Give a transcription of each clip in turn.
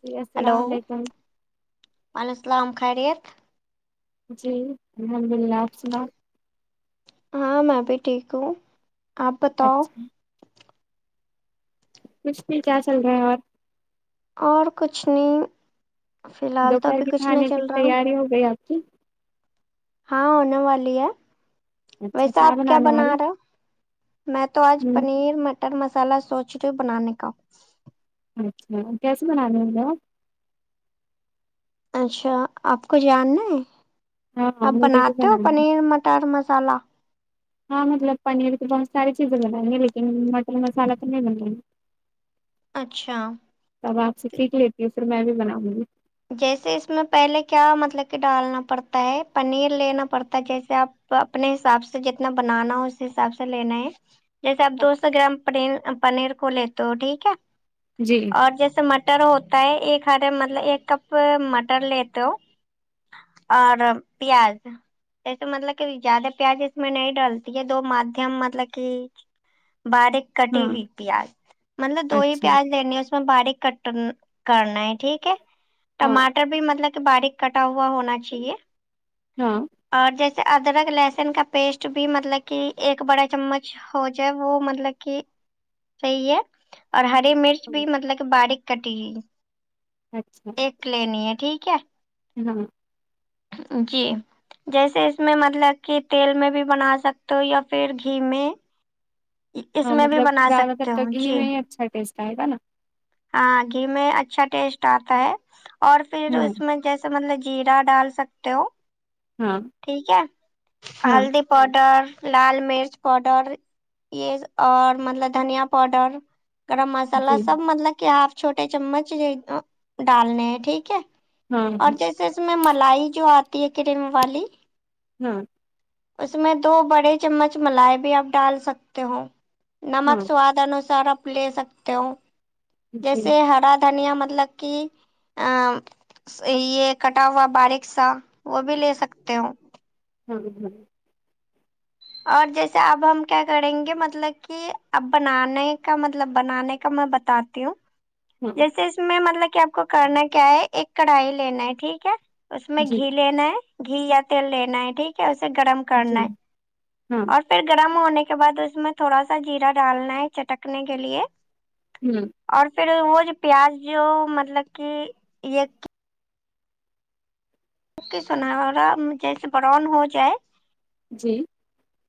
جی السلام علیکم وعل السلام خیریت جی الحمد للہ آپ سناؤ ہاں میں بھی ٹھیک ہوں آپ بتاؤ اچھا کچھ نہیں کیا چل رہا ہے اور اور کچھ نہیں فی الحال تو دوپہر ابھی کی کچھ نہیں کھانے کی چل رہا تیاری ہو گئی آپ کی ہاں ہونے والی ہے اچھا ویسا آپ کیا بنانے بنا والا رہا میں تو آج ہ پنیر مٹ مٹر مسالہ سوچ رہی بنانے کا اچھا کیسے بنانے ہو اچھا آپ کو جاننا ہے ہاں ہاں آپ مجھے بھی بناتے ہو بنانا ہے پنیر مٹر مٹں مسالہ ہاں مطلب پنیر کی بہت ساری چیزیں لگائیں گے لیکن مٹن مسالہ تو نہیں بنیں گے اچھا تب آپ سے سیکھ لیتی ہے پھر میں بھی بناؤں گی جیسے اس میں پہلے کیا مطلب کہ ڈالنا پڑتا ہے پنیر لینا پڑتا ہے جیسے آپ تو اپنے حساب سے جتنا بنانا ہو اس حساب سے لینا ہے جیسے آپ دو سو گرام پ پنیر کو لیتے ہو ٹھیک ہے جی اور جیسے مٹر ہوتا ہے ایک ہارے مطلب ایک کپ مٹر لیتے ہو اور پیاز جیسے مطلب کہ زیادہ پیاز اس میں نہیں ڈلتی ہے دو مادھیم مطلب کہ باریک کٹی ہاں ہوئی پیاز مطلب دو ہی اچھا پیاز لنے اس اس باریک کٹن کرنا ہے ٹھیک ہے ہاں ٹماٹر بھی مطلب کہ باریک کٹا ہوا ہونا چاہیے ہاں اور جیسے ادرک لہسن کا پیسٹ بھی مطلب کہ ایک بڑا چمچ ہو جائے وہ مطلب کہ صحیح ہے اور ہری مرچ ہاں، بھی مطلب کہ باریک کٹی لی اچھا ایک لینی ہے ٹھیک ہے ہاں جی جیسے اس میں مطلب کہ تیل میں بھی بنا سکتے ہو یا پھر گھی میں اس ہاں میں بھی مطلب بنا زیادہ تر سکتے تو ہو گھی جی میں ہی اچھا ٹیسٹ آئے گا نا ہاں گھی میں اچھا ٹیسٹ آتا ہے اور پھر ہاں اس میں جیسے مطلب جیرا ڈال سکتے ہو ہاں ٹھیک ہے ہاں ہلدی پاؤڈر لال مرچ پاؤڈر یہ ایک اور مطلب دھنیا پاؤڈر گرم مسالہ جی سب مطلب کہ ہاف چھوٹے چمچ ایک دو ڈالنے ہیں ٹھیک ہے ہاں اور جیسے اس میں ملائی جو آتی ہے کریم والی ہاں اس میں دو بڑے چمچ ملائی بھی آپ ڈال سکتے ہو نمک ہاں سواد انوسار آپ لے سکتے ہو جی جیسے ہرا دنھیا مطلب کہ آ یہ کٹا ہوا باریک سا وہ بھی لے سکتے ہو اور ایک ہم اور جیسے اب ہم کیا کریں گے مطلب کہ اب بنانے کا مطلب بنانے کا میں بتاتی ہوں ہاں اس میں مطلب کہ آپ کو کرنا کیا ہے ایک کڑھائی لینا ہے ٹھیک ہے اس میں جی گھی لینا ہے گھی یا تیل لینا ہے ٹھیک ہے اسے گرم جی کرنا ہے ہاں اور پھر گرم ہونے کے بعد اس میں تھوڑا سا جیرا ڈالنا ہے چٹکنے کے لیے ہوں [unintelligible] اور پھر وہ جو پیاز جو مطلب کہ یہ کے سنارا جیسے برؤن ہو جائے جی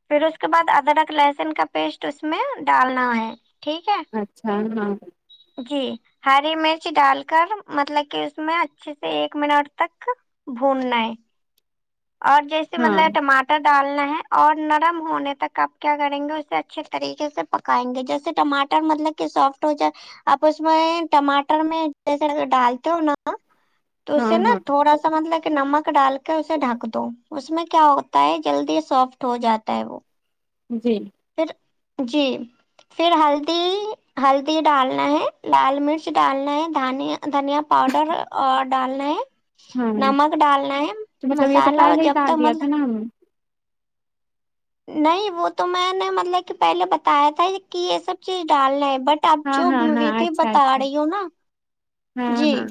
پھر اس کے بعد ادرک لہسن کا پیسٹ اس میں ڈالنا ہے ٹھیک ہے اچھا ہاں جی ہری مرچی ڈال کر مطلب کہ اس میں اچھے سے ایک منٹ تک بھوننا ہے اور جیسے ہاں مطلب ٹماٹر ڈالنا ہے اور نرم ہونے تک آپ کیا کریں گے اسے اچھے طریقے سے پکائیں گے جیسے ٹماٹر مطلب کہ سافٹ ہو جائے آپ اس میں ٹماٹر میں جیسے اتتے سرکے ڈالتے ہے انو تو ہاں اسے نا ہاں تھوڑا سا مطلب کہ نمک ڈال کے اسے ڈھک دو اس میں کیا ہوتا ہے جلدی سافٹ ہو جاتا ہے وہ جی پھر جی پھر ہلدی ہلدی ڈالنا ہے لال مرچ ڈالنا ہے دھانیہ دھنیا پاؤڈر اور ڈالنا ہے ہاں نمک ڈالنا ہے تو مطلب یہ تو مسالہ اور پہلے ہی جب تک ڈال دیا تھا مطلب نا ہم نے نہیں وہ تو میں نے مطلب کہ پہلے بتایا تھا کہ یہ سب چیز ڈالنا ہے بٹ تب ہاں جو ہاں ہاں ویدی اچھا بتا اچھا رہی ہو نا ہاں جی ہاں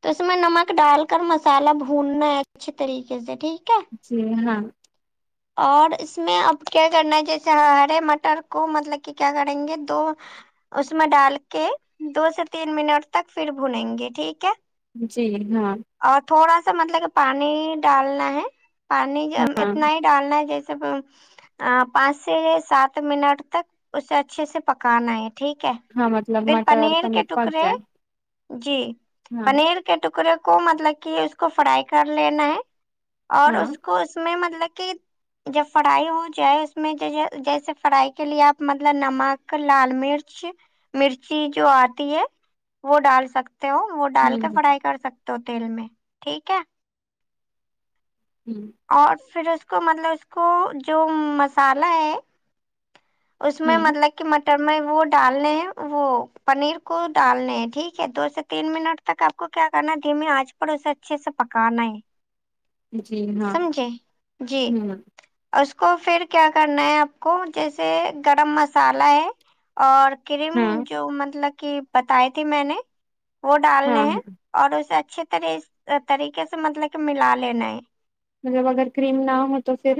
تو اس میں نمک ڈال کر مسالہ بھوننا ہے اچھے طریقے سے ٹھیک ہے جی ہاں اور اس میں اب کیا کرنا ہے جیسے ہرے مٹر کو مطلب کہ کیا کریں گے دو اس میں ڈال کے دو سے تین منٹ تک پھر بھونے گے ٹھیک ہے جی ہاں اور تھوڑا سا مطلب کہ پانی ڈالنا ہے پانی ہاں اتنا ہی ڈالنا ہے جیسے پروس پانچ سے سات منٹ تک اسے اچھے سے پکانا ہے ٹھیک ہے ہاں مطلب پھر مٹر اور پنیر کے پک تکڑے جائے جی ہاں پنیر کے ٹکڑے کو مطلب کہ اس کو فرائی کر لینا ہے اور ہاں اس کو اس میں مطلب کہ جب فرائی ہو جائے اس میں جیسے فرائی کے لیے آپ مطلب نمک لال مرچ مچ مرچی جو آتی ہے وہ ڈال سکتے ہو وہ ڈال ہوں کے فرائی کر سکتے ہو تیل میں ٹھیک ہے ہوں اور پھر اس کو مطلب اس کو جو مسالہ ہے اس میں ہوں مطلب کہ مٹر میں وہ ڈالنے ہیں وہ پنیر کو ڈالنے ہیں ٹھیک ہے دو سے تین منٹ جب تک آپ کو کیا کرنا ہے دھیمی آنج پر اسے اچھے سے پکانا ہے جی ہاں سمجھے جی ہوں اس کو پھر کیا کرنا ہے آپ کو جیس سے گرم مسالہ ہے اور کریم ہاں جو مطلب کی بتائی تھی میں نے وہ ڈالنے ہاں ہیں ہاں اور اسے اچھے طرح طریقے سے مطلب کہ ملا لینا ہے مطلب اگر کریم نہ ہو تو پھر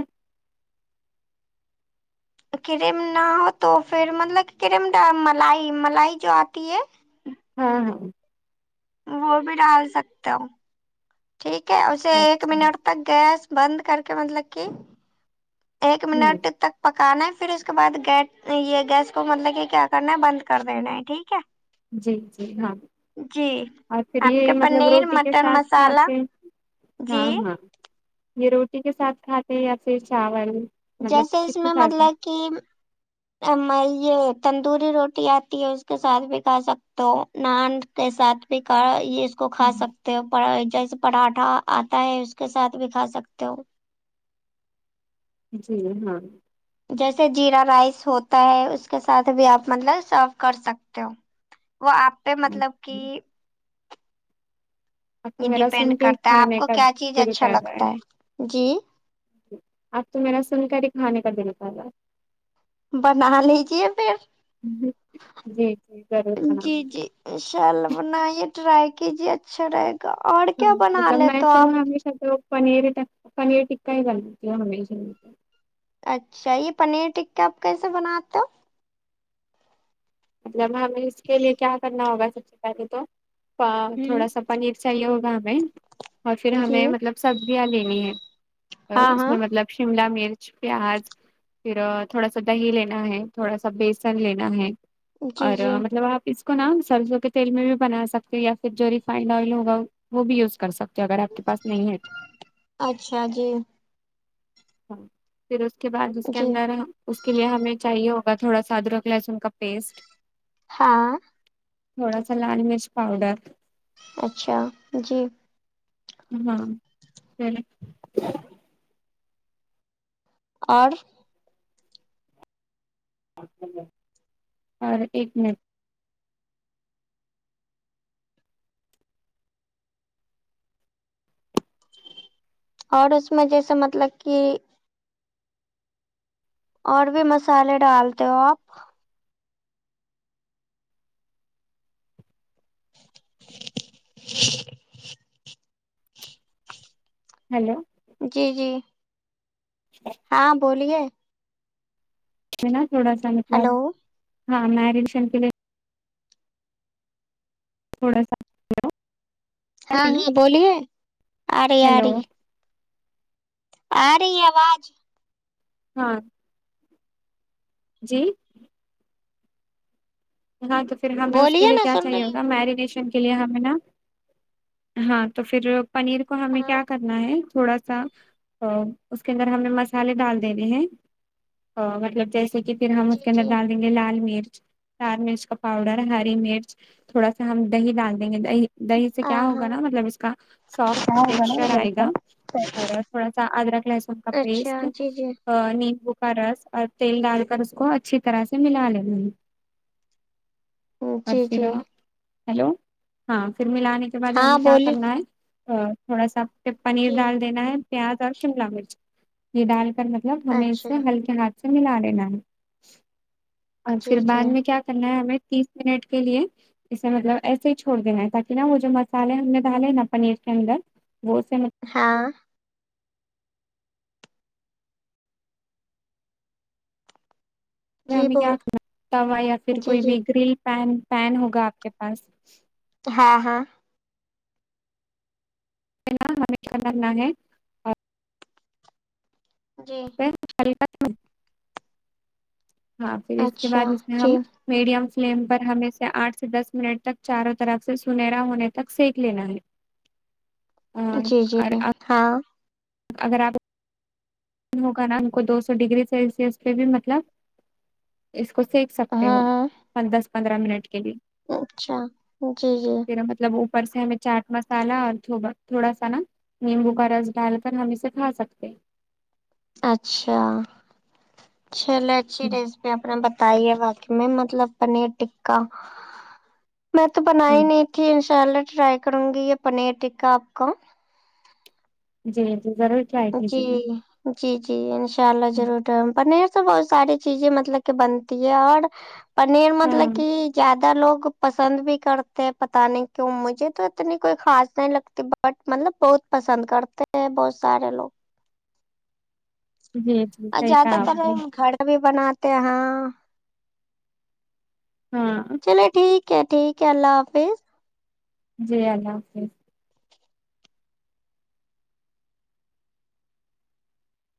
کریم نہ ہو تو پھر مطلب کریمڈ ملائی ملائی جو آتی ہے ہاں ہاں وہ بھی ڈال سکتے ہو ٹھیک ہے اسے ایک اچھا منٹ تک گیس بند کر کے مطلب کہ ایک ہوں منٹ تک پکانا ہے پھر اس کے بعد گے یہ گیس کو مطلب یہ کیا کرنا ہے بند کر دینا ہے ٹھیک ہے جی جی ہاں جی اور پھر آپ کے یہی مطلب پنیر روٹی کے مٹر ساتھ مسالہ کھاتے ہاں جی ہاں یہ روٹی کے ساتھ کھاتے ہیں یا پھر چاول مطلب جیسے کس اس کے میں ساتھ کھاتے مطلب کی امایہ تندوری روٹی آتی ہے اس کے ساتھ بھی کھا سکتے ہو نان کے ساتھ بھی کھا یہ اس کو کھا ہیں؟ سکتے ہو جیسے پراٹھا آتا ہے اس کے ساتھ بھی کھا سکتے ہو جی ہاں جیسے جیرا رائس ہوتا ہے اس کے ساتھ بھی آپ مطلب سرو کر سکتے ہو وہ آپ پہ مطلب کہ اب یہ تو میرا ڈیپینڈ سن کے ہی کرتا ہے آپ کھانے کو کا کیا چیز دل اچھا کر رہا لگتا ہے جی اب تو میرا سنکر ہی کھانے کا دل کر رہا ہے بنا لیجیے پھر ہے جی جی ضرور بناؤں جی گی جی ان شاء اللہ بنائیے ٹرائی کیجیے اچھا رہے گا اور کیا بنا لیتے ہو آپ [unintelligible] اچھا یہ پنیر ٹکہ آپ کیسے بناتے ہو مطلب ہمیں اس کے لیے کیا کرنا ہوگا سب سے پہلے تو فا تھوڑا ہوں سا پنیر چاہیے ہوگا ہمیں اور پھر جی ہمیں مطلب سبزیاں لینی ہے ہاں اس ہاں میں مطلب شملہ مرچ پیاز پھر تھوڑا سا دہی لینا ہے تھوڑا سا بیسن لینا ہے جی اور جی مطلب آپ اس اس کو نا سرسوں کے تیل میں بھی بنا سکتے یا پھر جو ریفائنڈ آئل ہوگا وہ بھی یوز کر سکا رات اگر آپ کے پاس نہیں ہے اچھا جی پھر اس کے بعد اس کے جی اندر آں اس کے لیے ہمیں چاہیے ہوگا تھوڑا سا ادرک لہسن کا پیسٹ ہاں تھوڑا سا لال مرچ پؤڈر اچھا جی ہاں اور اور ایک منٹ اور اس میں جیسے مطلب کہ اور بھی مسالے ڈالتے ہو آپ [inaudible] ہیلو جی جی [inaudible] ہاں بولیے نا تھوڑا سا مطلب ہلو ہاں میرینیشن کے لیے تھوڑا سا ہاں نا ہاں بولیے آ رہی آ ہیلو رہی آ رہی آواز ہاں جی ہاں تو پھر ہمیں اس کے بولیے لیے نا کیا سن چاہیے رہی ہوگا ہوں میرینیشن لیے ہمیں نا ہاں تو پھر پنیر کو ہمیں ہاں کیا کرنا ہے تھوڑا سا اس کے اندر ہم نے مسالے ڈال دینے ہیں مطلب جیسے کہ پھر ہم جی اس کے اندر جی ڈال دیں گے لال مرچ لال مرچ کا پاؤڈر ہری مرچ تھوڑا سا ہم دہی ڈال دیں گے دہی دہی سے کیا ہاں ہوگا ہاں نا مطلب اس کا سافٹ ٹیکسچر آئے گا تھوڑا سا ادرک لہسن کا پیسٹ اچھا جی جی لمبو کا رس اور تیل ڈال کر اس کو اچھی طرح سے ملا لینا اور جی پھر جی ہیلو ہاں پھر ملانے کے بعد ہاں ہمیں کیا بولی کرنا ہے تھوڑا سا پھر پنیر جی ڈال دینا ہے پیاز اور شملہ مرچ یہ ڈال کر ہمیں اچھا اسے ہلکے ہاتھ سے ملا لینا ہے اور جی پھر بعد جی میں کیا کرنا ہے ہمیں تیس منٹ کے لیے اسے مطلب ایسے ہی چھوڑ دینا ہے تاکہ نا وہ جو مسالے ہم نے ڈالے نا پنیر کے اندر وہ سے میں ہاں جی ہمیں کیا بول کرنا توا یا پھر جی کوئی جی بھی گرل پین پین ہوگا آپ کے پاس ہاں ہاں [unintelligible] کیا کرنا ہے اور جی [unintelligible] ہاں پھر اس کے اچھا بعد اس میں جی ہم میڈیم فلیم پر ہمیں سے آٹھ سے دس منٹ تک چاروں طرف سے سنہرا ہونے تک سیک لینا ہے جی جی اور ہاں اگر آپ ہوگا نا ہم کو دو سو ڈگری سیلسس پہ بھی مطلب اس کو سیک ہاں سکتے ہو ہاں پن دس پندرہ منٹ کے لیے اچھا جی جی میرا مطلب اوپر سے ہمیں چاٹ مسالا اور تھوڑا سا نا نمبو کا رس ڈال کر ہم اسے کھا سکتے اچھا چل اچھی ہیں۔ ڈز میں اپنا بتائی ہے واقع میں مطلب پنیر ٹکا میں تو بنا ہ ہی نہیں تھی انشاء اللہ ٹرائی کروں گی یہ پنیر ٹکا آپ کا جی جی ضرور ٹرائی جی کیجیے گا جی جی انشاء اللہ ضرور ٹرائی پنیر بہت ساری چیزیں مطلب کہ بنتی ہے اور پنیر مطلب ہاں کی زیادہ تر لوگ پسند بھی کرتے ہیں پتا نہیں کیوں مجھے تو اتنی کوئی خاص نہیں لگتی بٹ مطلب بہت پسند کرتے ہیں بہت سارے لوگ جی جی اور صحیح زیادہ کہا تر آپ نے گھڑا بھی بناتے ہیں ہاں ہاں چلے ٹھیک ہے ٹھیک ہے اللہ حافظ جی اللہ حافظ